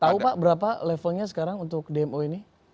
tahu pak berapa levelnya sekarang untuk dmo ini